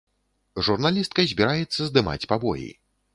Журналістка збіраецца здымаць пабоі.